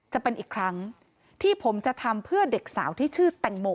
จะเป็นอีกครั้งที่ผมจะทำเพื่อเด็กสาวที่ชื่อแตงโม